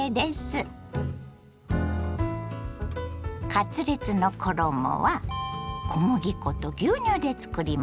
カツレツの衣は小麦粉と牛乳でつくります。